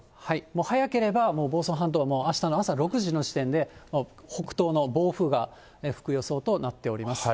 早ければもう房総半島はあしたの朝６時の時点で、北東の暴風が吹く予想となっております。